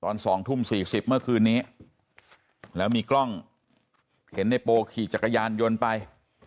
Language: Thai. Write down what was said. ตอน๒ทุ่ม๔๐เมื่อคืนนี้แล้วมีกล้องเห็นในโปขี่จักรยานยนต์ไป